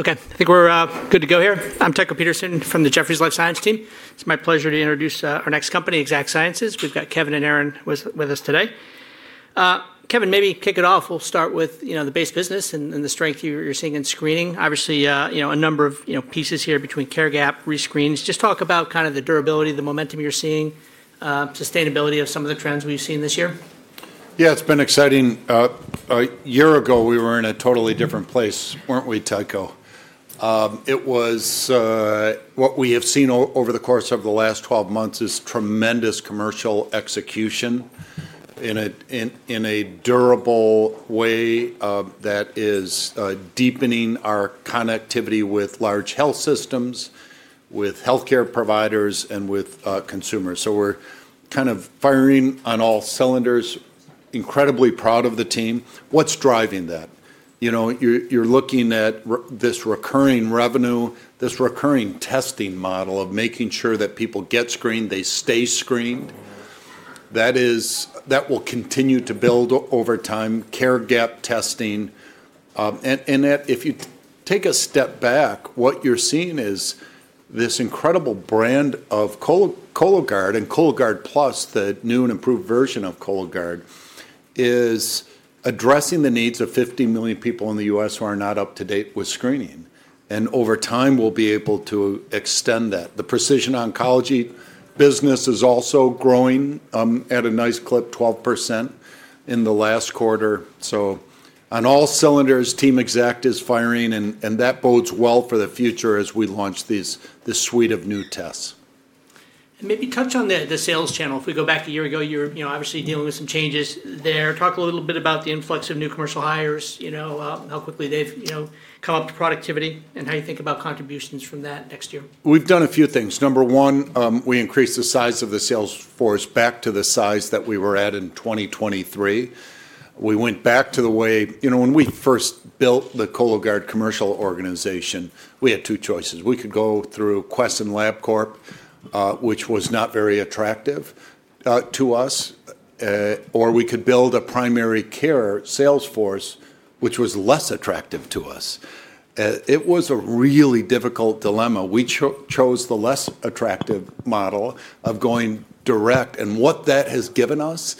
Okay, I think we're good to go here. I'm Tycho Peterson from the Jefferies Life Science Team. It's my pleasure to introduce our next company, Exact Sciences. We've got Kevin and Aaron with us today. Kevin, maybe kick it off. We'll start with the base business and the strength you're seeing in screening. Obviously, a number of pieces here between CareGap, rescreens. Just talk about kind of the durability, the momentum you're seeing, sustainability of some of the trends we've seen this year. Yeah, it's been exciting. A year ago, we were in a totally different place, weren't we, Tycho? What we have seen over the course of the last 12 months is tremendous commercial execution in a durable way that is deepening our connectivity with large health systems, with healthcare providers, and with consumers. We're kind of firing on all cylinders, incredibly proud of the team. What's driving that? You're looking at this recurring revenue, this recurring testing model of making sure that people get screened, they stay screened. That will continue to build over time: CareGap testing. If you take a step back, what you're seeing is this incredible brand of Cologuard and Cologuard Plus, the new and improved version of Cologuard, is addressing the needs of 50 million people in the U.S. who are not up to date with screening. Over time, we'll be able to extend that. The precision oncology business is also growing at a nice clip, 12% in the last quarter. On all cylinders, Team Exact is firing, and that bodes well for the future as we launch this suite of new tests. Maybe touch on the sales channel. If we go back a year ago, you're obviously dealing with some changes there. Talk a little bit about the influx of new commercial hires, how quickly they've come up to productivity, and how you think about contributions from that next year. We've done a few things. Number one, we increased the size of the sales force back to the size that we were at in 2023. We went back to the way when we first built the Cologuard commercial organization, we had two choices. We could go through Quest Diagnostics and LabCorp, which was not very attractive to us, or we could build a primary care sales force, which was less attractive to us. It was a really difficult dilemma. We chose the less attractive model of going direct. What that has given us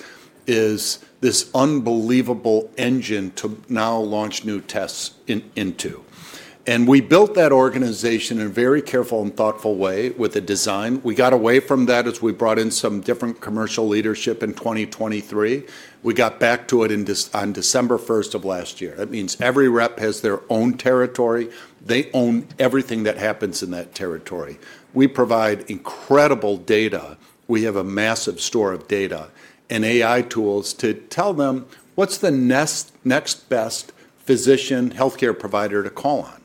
is this unbelievable engine to now launch new tests into. We built that organization in a very careful and thoughtful way with a design. We got away from that as we brought in some different commercial leadership in 2023. We got back to it on December 1 of last year. That means every rep has their own territory. They own everything that happens in that territory. We provide incredible data. We have a massive store of data and AI tools to tell them what's the next best physician, healthcare provider to call on.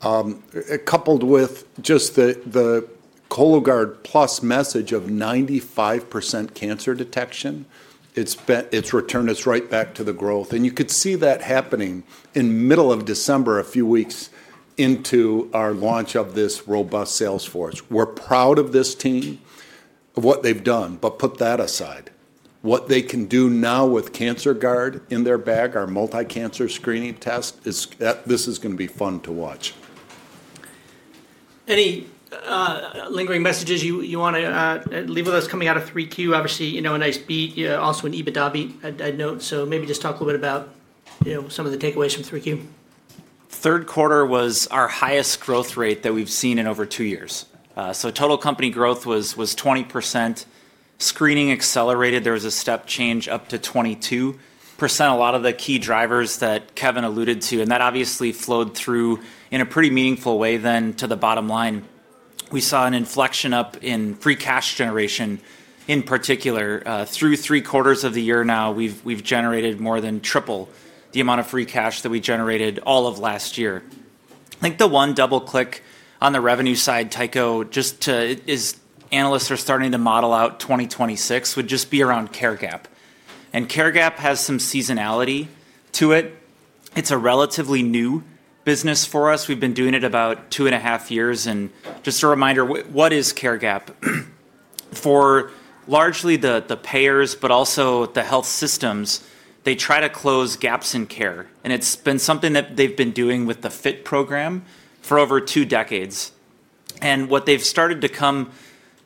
Coupled with just the Cologuard Plus message of 95% cancer detection, it's returned us right back to the growth. You could see that happening in the middle of December, a few weeks into our launch of this robust sales force. We're proud of this team, of what they've done. Put that aside, what they can do now with CancerGuard in their bag, our multi-cancer screening test, this is going to be fun to watch. Any lingering messages you want to leave with us coming out of 3Q? Obviously, a nice beat, also an EBITDA beat, I'd note. Maybe just talk a little bit about some of the takeaways from 3Q. Third quarter was our highest growth rate that we've seen in over two years. Total company growth was 20%. Screening accelerated. There was a step change up to 22%. A lot of the key drivers that Kevin alluded to, and that obviously flowed through in a pretty meaningful way then to the bottom line. We saw an inflection up in free cash generation in particular. Through three quarters of the year now, we've generated more than triple the amount of free cash that we generated all of last year. I think the one double-click on the revenue side, Tycho, just to analysts are starting to model out 2026 would just be around CareGap. CareGap has some seasonality to it. It's a relatively new business for us. We've been doing it about two and a half years. Just a reminder, what is CareGap? For largely the payers, but also the health systems, they try to close gaps in care. It's been something that they've been doing with the FIT program for over two decades. What they've started to come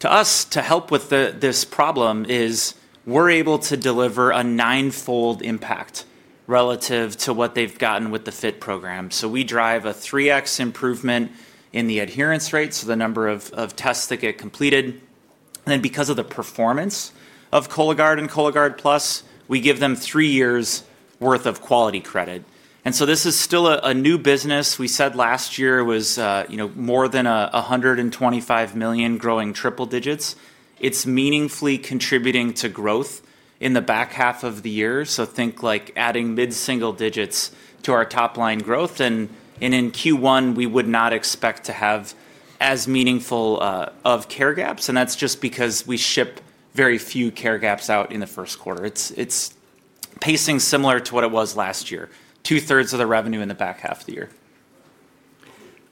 to us to help with this problem is we're able to deliver a ninefold impact relative to what they've gotten with the FIT program. We drive a 3x improvement in the adherence rate, so the number of tests that get completed. Then because of the performance of Cologuard and Cologuard Plus, we give them three years' worth of quality credit. This is still a new business. We said last year was more than $125 million growing triple digits. It's meaningfully contributing to growth in the back half of the year. Think like adding mid-single digits to our top-line growth. In Q1, we would not expect to have as meaningful of CareGaps. That is just because we ship very few CareGaps out in the first quarter. It is pacing similar to what it was last year, two-thirds of the revenue in the back half of the year.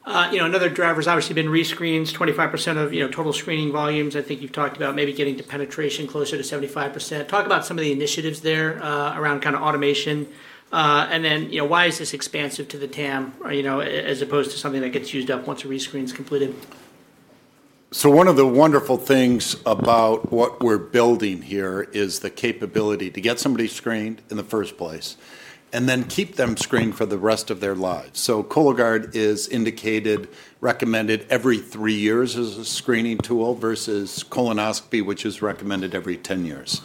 Another driver has obviously been rescreens, 25% of total screening volumes. I think you've talked about maybe getting to penetration closer to 75%. Talk about some of the initiatives there around kind of automation. Why is this expansive to the TAM as opposed to something that gets used up once a rescreen is completed? One of the wonderful things about what we're building here is the capability to get somebody screened in the first place and then keep them screened for the rest of their lives. Cologuard is indicated, recommended every three years as a screening tool versus colonoscopy, which is recommended every 10 years.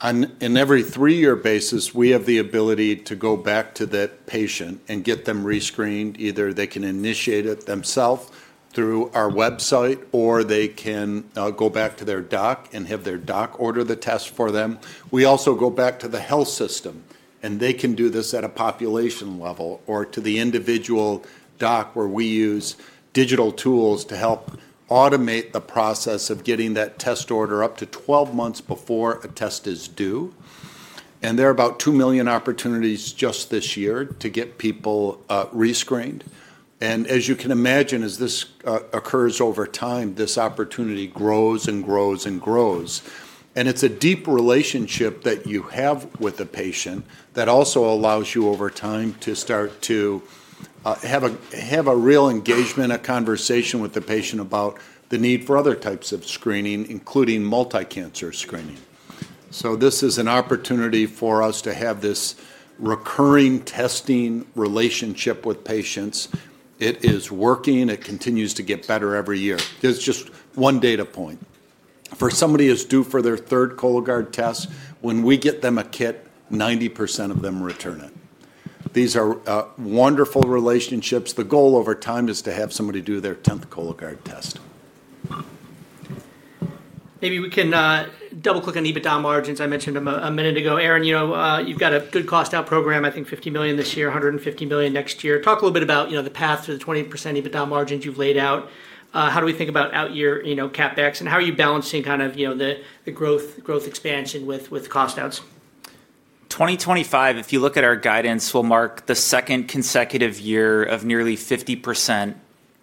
On an every three-year basis, we have the ability to go back to that patient and get them rescreened. Either they can initiate it themselves through our website, or they can go back to their doc and have their doc order the test for them. We also go back to the health system, and they can do this at a population level or to the individual doc where we use digital tools to help automate the process of getting that test order up to 12 months before a test is due. There are about 2 million opportunities just this year to get people rescreened. As you can imagine, as this occurs over time, this opportunity grows and grows and grows. It is a deep relationship that you have with the patient that also allows you over time to start to have a real engagement, a conversation with the patient about the need for other types of screening, including multi-cancer screening. This is an opportunity for us to have this recurring testing relationship with patients. It is working. It continues to get better every year. There is just one data point. For somebody who is due for their third Cologuard test, when we get them a kit, 90% of them return it. These are wonderful relationships. The goal over time is to have somebody do their 10th Cologuard test. Maybe we can double-click on EBITDA margins I mentioned a minute ago. Aaron, you've got a good cost-out program, I think $50 million this year, $150 million next year. Talk a little bit about the path through the 20% EBITDA margins you've laid out. How do we think about out-year CapEx, and how are you balancing kind of the growth expansion with cost-outs? 2025, if you look at our guidance, will mark the second consecutive year of nearly 50%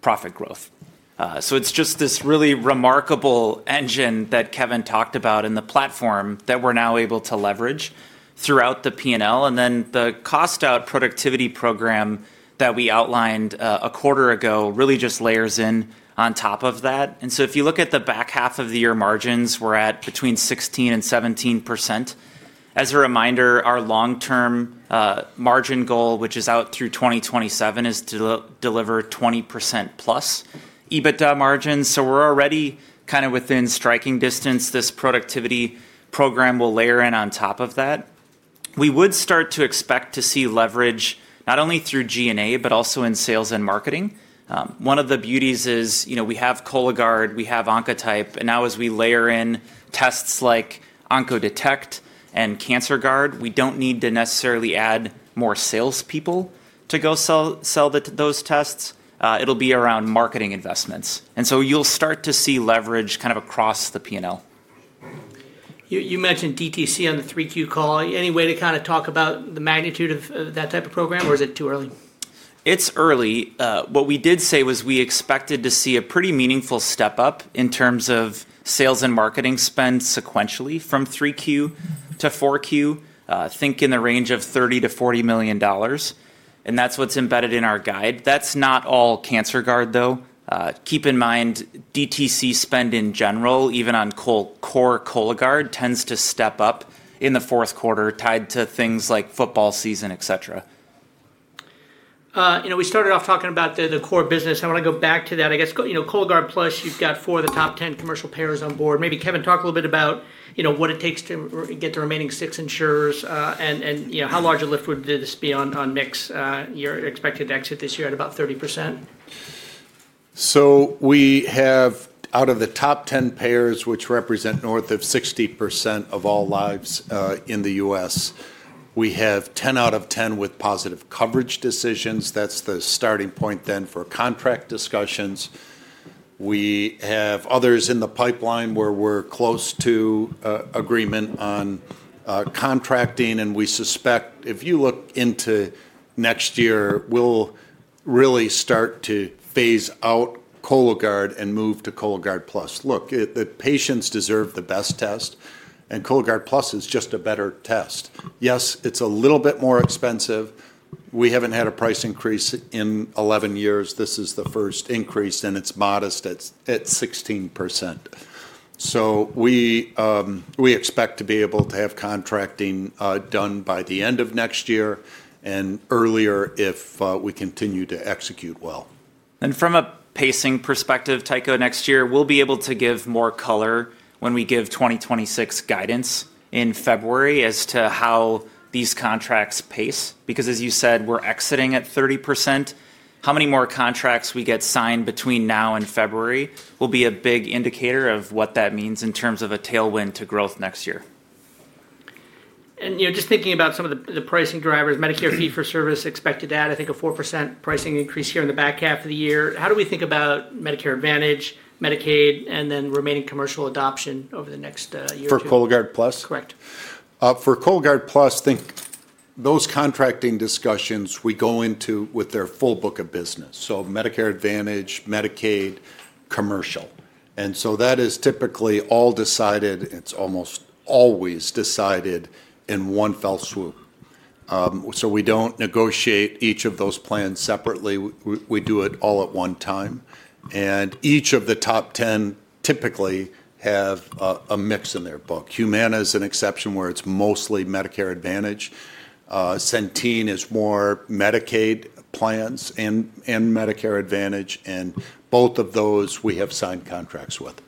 profit growth. It is just this really remarkable engine that Kevin talked about and the platform that we are now able to leverage throughout the P&L. The cost-out productivity program that we outlined a quarter ago really just layers in on top of that. If you look at the back half of the year margins, we are at between 16-17%. As a reminder, our long-term margin goal, which is out through 2027, is to deliver 20% plus EBITDA margins. We are already kind of within striking distance. This productivity program will layer in on top of that. We would start to expect to see leverage not only through G&A, but also in sales and marketing. One of the beauties is we have Cologuard, we have Oncotype, and now as we layer in tests like Oncodetect and CancerGuard, we do not need to necessarily add more salespeople to go sell those tests. It will be around marketing investments. You will start to see leverage kind of across the P&L. You mentioned DTC on the 3Q call. Any way to kind of talk about the magnitude of that type of program, or is it too early? It's early. What we did say was we expected to see a pretty meaningful step up in terms of sales and marketing spend sequentially from 3Q to 4Q, think in the range of $30 million-$40 million. And that's what's embedded in our guide. That's not all CancerGuard, though. Keep in mind, DTC spend in general, even on core Cologuard, tends to step up in the fourth quarter tied to things like football season, et cetera. We started off talking about the core business. I want to go back to that. I guess Cologuard Plus, you've got four of the top 10 commercial payers on board. Maybe Kevin, talk a little bit about what it takes to get the remaining six insurers and how large a lift would this be on MIX? You're expected to exit this year at about 30%. We have, out of the top 10 payers, which represent north of 60% of all lives in the U.S., 10 out of 10 with positive coverage decisions. That is the starting point then for contract discussions. We have others in the pipeline where we are close to agreement on contracting, and we suspect if you look into next year, we will really start to phase out Cologuard and move to Cologuard Plus. Look, the patients deserve the best test, and Cologuard Plus is just a better test. Yes, it is a little bit more expensive. We have not had a price increase in 11 years. This is the first increase, and it is modest at 16%. We expect to be able to have contracting done by the end of next year and earlier if we continue to execute well. From a pacing perspective, Tycho, next year, we will be able to give more color when we give 2026 guidance in February as to how these contracts pace. Because as you said, we are exiting at 30%. How many more contracts we get signed between now and February will be a big indicator of what that means in terms of a tailwind to growth next year. Just thinking about some of the pricing drivers, Medicare fee-for-service expected add, I think a 4% pricing increase here in the back half of the year. How do we think about Medicare Advantage, Medicaid, and then remaining commercial adoption over the next year? For Cologuard Plus? Correct. For Cologuard Plus, think those contracting discussions we go into with their full book of business. Medicare Advantage, Medicaid, commercial. That is typically all decided. It is almost always decided in one fell swoop. We do not negotiate each of those plans separately. We do it all at one time. Each of the top 10 typically have a mix in their book. Humana is an exception where it is mostly Medicare Advantage. Centene is more Medicaid plans and Medicare Advantage. Both of those we have signed contracts with.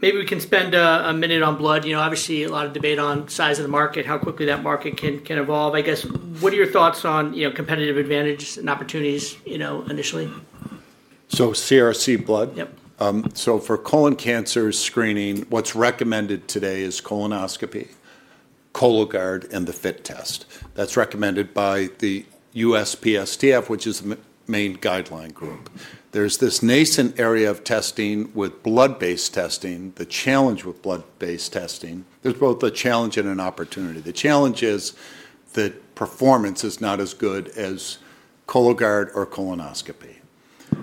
Maybe we can spend a minute on blood. Obviously, a lot of debate on size of the market, how quickly that market can evolve. I guess, what are your thoughts on competitive advantages and opportunities initially? CRC blood. For colon cancer screening, what's recommended today is colonoscopy, Cologuard, and the FIT test. That's recommended by the USPSTF, which is the main guideline group. There's this nascent area of testing with blood-based testing, the challenge with blood-based testing. There's both a challenge and an opportunity. The challenge is that performance is not as good as Cologuard or colonoscopy.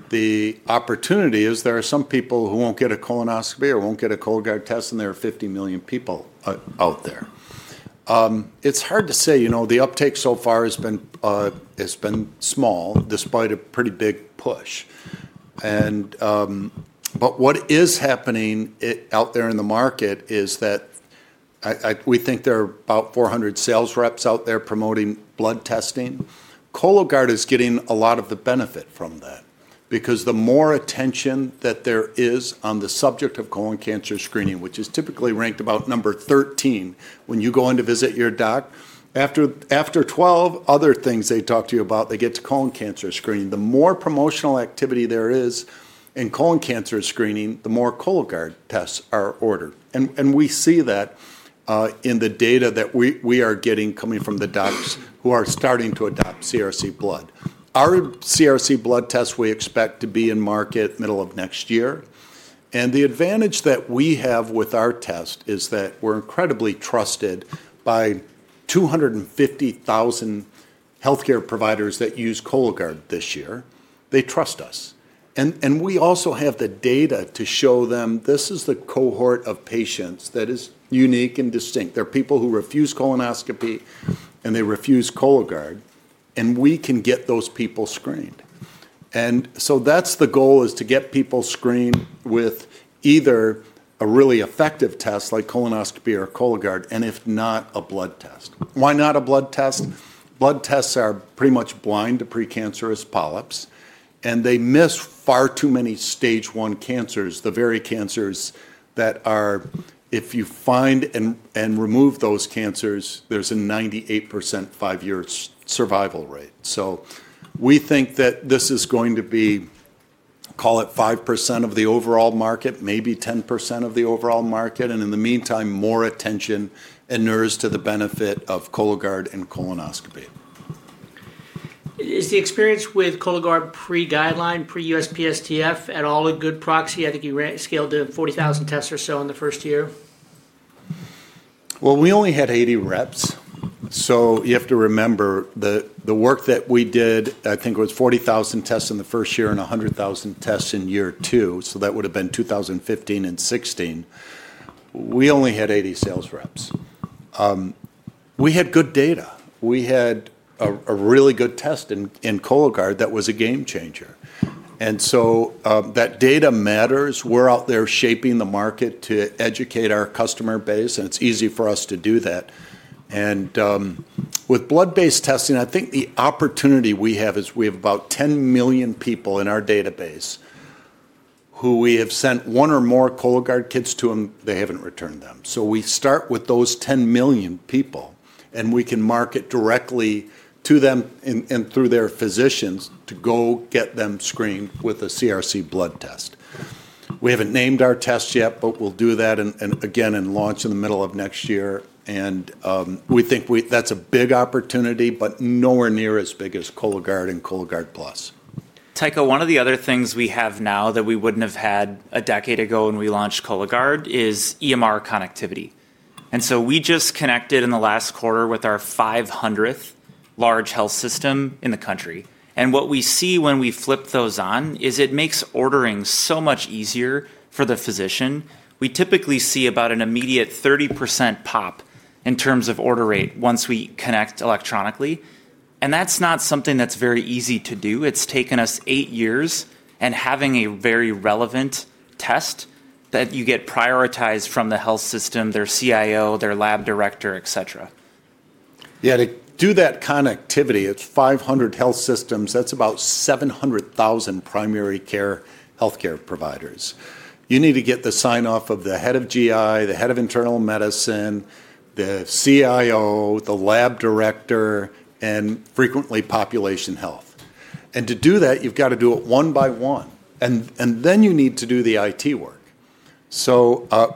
The opportunity is there are some people who won't get a colonoscopy or won't get a Cologuard test, and there are 50 million people out there. It's hard to say. The uptake so far has been small despite a pretty big push. What is happening out there in the market is that we think there are about 400 sales reps out there promoting blood testing. Cologuard is getting a lot of the benefit from that because the more attention that there is on the subject of colon cancer screening, which is typically ranked about number 13 when you go in to visit your doc, after 12 other things they talk to you about, they get to colon cancer screening. The more promotional activity there is in colon cancer screening, the more Cologuard tests are ordered. We see that in the data that we are getting coming from the docs who are starting to adopt CRC blood. Our CRC blood test we expect to be in market middle of next year. The advantage that we have with our test is that we're incredibly trusted by 250,000 healthcare providers that use Cologuard this year. They trust us. We also have the data to show them this is the cohort of patients that is unique and distinct. There are people who refuse colonoscopy, and they refuse Cologuard. We can get those people screened. The goal is to get people screened with either a really effective test like colonoscopy or Cologuard, and if not, a blood test. Why not a blood test? Blood tests are pretty much blind to precancerous polyps. They miss far too many stage one cancers, the very cancers that are, if you find and remove those cancers, there is a 98% five-year survival rate. We think that this is going to be, call it 5% of the overall market, maybe 10% of the overall market. In the meantime, more attention and nerves to the benefit of Cologuard and colonoscopy. Is the experience with Cologuard pre-guideline, pre-USPSTF at all a good proxy? I think you scaled to 40,000 tests or so in the first year. We only had 80 reps. You have to remember the work that we did, I think it was 40,000 tests in the first year and 100,000 tests in year two. That would have been 2015 and 2016. We only had 80 sales reps. We had good data. We had a really good test in Cologuard that was a game changer. That data matters. We're out there shaping the market to educate our customer base, and it's easy for us to do that. With blood-based testing, I think the opportunity we have is we have about 10 million people in our database who we have sent one or more Cologuard kits to, and they haven't returned them. We start with those 10 million people, and we can market directly to them and through their physicians to go get them screened with a CRC blood test. We haven't named our test yet, but we'll do that again and launch in the middle of next year. We think that's a big opportunity, but nowhere near as big as Cologuard and Cologuard Plus. Tycho, one of the other things we have now that we wouldn't have had a decade ago when we launched Cologuard is EMR connectivity. We just connected in the last quarter with our 500th large health system in the country. What we see when we flip those on is it makes ordering so much easier for the physician. We typically see about an immediate 30% pop in terms of order rate once we connect electronically. That's not something that's very easy to do. It's taken us eight years and having a very relevant test that you get prioritized from the health system, their CIO, their lab director, etc. Yeah, to do that connectivity, it's 500 health systems. That's about 700,000 primary care healthcare providers. You need to get the sign-off of the head of GI, the head of internal medicine, the CIO, the lab director, and frequently population health. To do that, you've got to do it one by one. You need to do the IT work.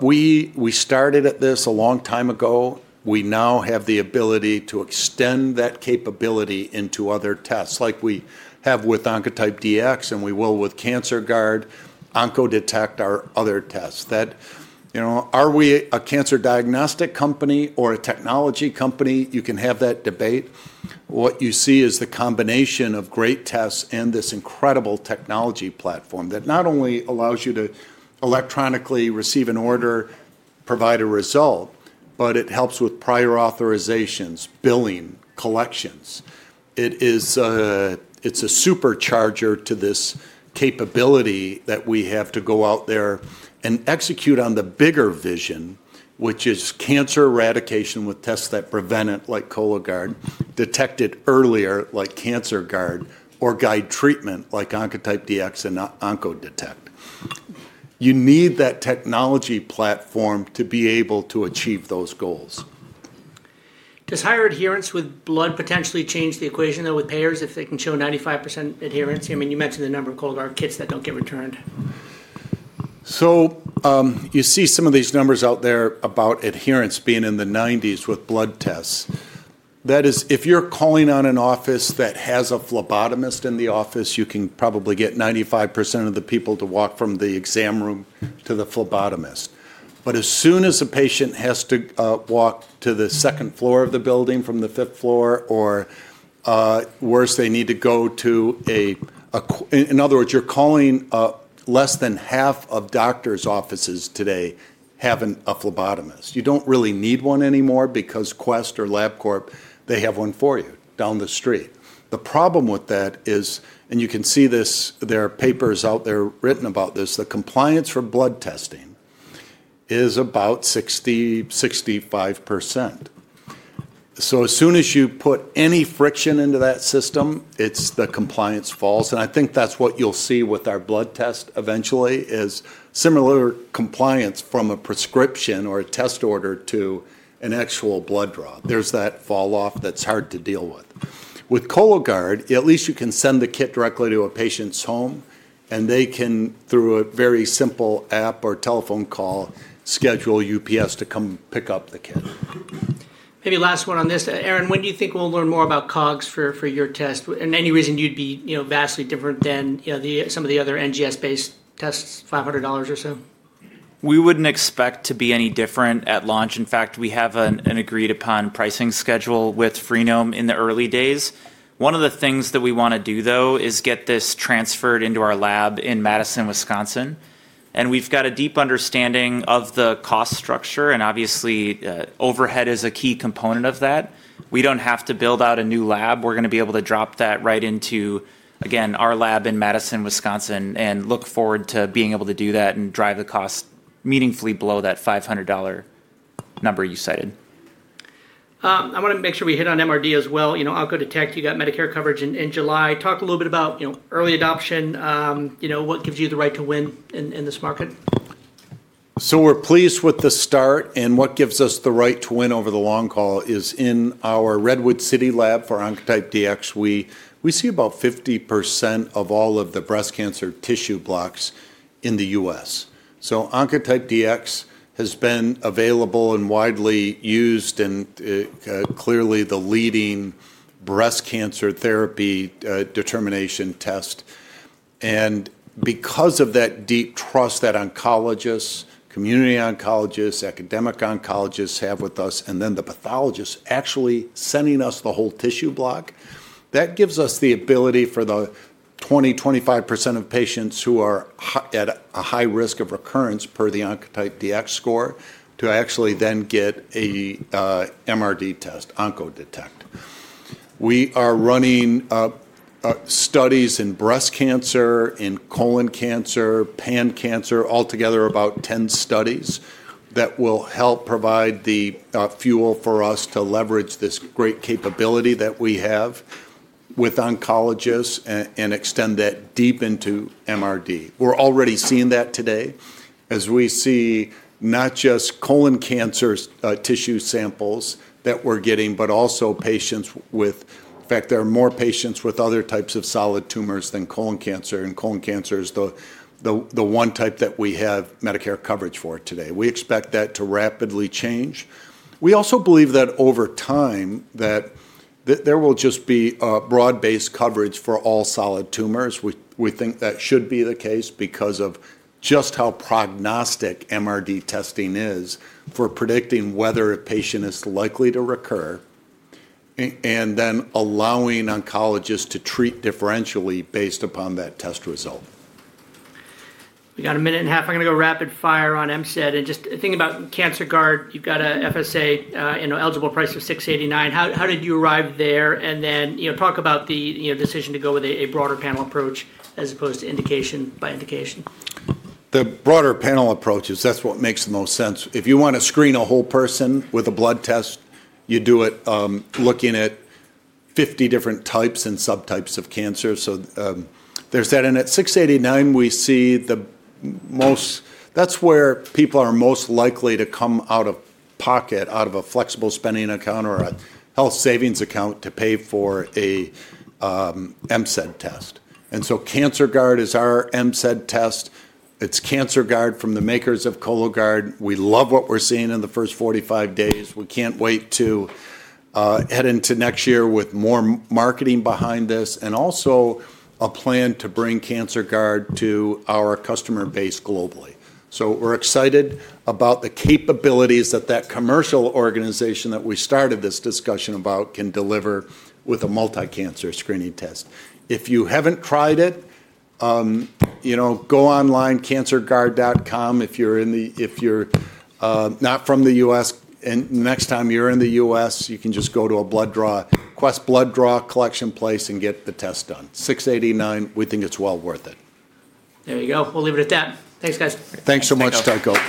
We started at this a long time ago. We now have the ability to extend that capability into other tests like we have with Oncotype DX and we will with CancerGuard, Oncodetect, our other tests. Are we a cancer diagnostic company or a technology company? You can have that debate. What you see is the combination of great tests and this incredible technology platform that not only allows you to electronically receive an order, provide a result, but it helps with prior authorizations, billing, collections. It's a supercharger to this capability that we have to go out there and execute on the bigger vision, which is cancer eradication with tests that prevent it like Cologuard, detect it earlier like CancerGuard, or guide treatment like Oncotype DX and Oncodetect. You need that technology platform to be able to achieve those goals. Does higher adherence with blood potentially change the equation though with payers if they can show 95% adherence? I mean, you mentioned the number of Cologuard kits that don't get returned. You see some of these numbers out there about adherence being in the 90s with blood tests. That is, if you're calling on an office that has a phlebotomist in the office, you can probably get 95% of the people to walk from the exam room to the phlebotomist. As soon as a patient has to walk to the second floor of the building from the fifth floor, or worse, they need to go to a, in other words, you're calling less than half of doctors' offices today having a phlebotomist. You don't really need one anymore because Quest or LabCorp, they have one for you down the street. The problem with that is, and you can see this, there are papers out there written about this, the compliance for blood testing is about 60-65%. As soon as you put any friction into that system, the compliance falls. I think that's what you'll see with our blood test eventually is similar compliance from a prescription or a test order to an actual blood draw. There's that falloff that's hard to deal with. With Cologuard, at least you can send the kit directly to a patient's home, and they can, through a very simple app or telephone call, schedule UPS to come pick up the kit. Maybe last one on this. Aaron, when do you think we'll learn more about COGS for your test? Any reason you'd be vastly different than some of the other NGS-based tests, $500 or so? We would not expect to be any different at launch. In fact, we have an agreed-upon pricing schedule with Freenome in the early days. One of the things that we want to do, though, is get this transferred into our lab in Madison, Wisconsin. We have a deep understanding of the cost structure. Obviously, overhead is a key component of that. We do not have to build out a new lab. We are going to be able to drop that right into, again, our lab in Madison, Wisconsin, and look forward to being able to do that and drive the cost meaningfully below that $500 number you cited. I want to make sure we hit on MRD as well. Oncodetect, you got Medicare coverage in July. Talk a little bit about early adoption. What gives you the right to win in this market? We're pleased with the start. What gives us the right to win over the long haul is in our Redwood City lab for Oncotype DX, we see about 50% of all of the breast cancer tissue blocks in the US. Oncotype DX has been available and widely used and clearly the leading breast cancer therapy determination test. Because of that deep trust that oncologists, community oncologists, academic oncologists have with us, and then the pathologists actually sending us the whole tissue block, that gives us the ability for the 20-25% of patients who are at a high risk of recurrence per the Oncotype DX score to actually then get an MRD test, Oncodetect. We are running studies in breast cancer, in colon cancer, pan cancer, altogether about 10 studies that will help provide the fuel for us to leverage this great capability that we have with oncologists and extend that deep into MRD. We are already seeing that today as we see not just colon cancer tissue samples that we are getting, but also patients with, in fact, there are more patients with other types of solid tumors than colon cancer. Colon cancer is the one type that we have Medicare coverage for today. We expect that to rapidly change. We also believe that over time that there will just be broad-based coverage for all solid tumors. We think that should be the case because of just how prognostic MRD testing is for predicting whether a patient is likely to recur and then allowing oncologists to treat differentially based upon that test result. We got a minute and a half. I'm going to go rapid fire on MCED and just think about CancerGuard. You've got an FSA eligible price of $689. How did you arrive there? Then talk about the decision to go with a broader panel approach as opposed to indication by indication. The broader panel approach is that's what makes the most sense. If you want to screen a whole person with a blood test, you do it looking at 50 different types and subtypes of cancer. There is that. At $689, we see the most, that's where people are most likely to come out of pocket, out of a flexible spending account or a health savings account to pay for an MCED test. CancerGuard is our MCED test. It's CancerGuard from the makers of Cologuard. We love what we're seeing in the first 45 days. We can't wait to head into next year with more marketing behind this and also a plan to bring CancerGuard to our customer base globally. We are excited about the capabilities that that commercial organization that we started this discussion about can deliver with a multi-cancer screening test. If you haven't tried it, go online, cancerguard.com. If you're not from the U.S., and next time you're in the U.S., you can just go to a blood draw, Quest blood draw collection place and get the test done. $689, we think it's well worth it. There you go. We'll leave it at that. Thanks, guys. Thanks so much, Tycho.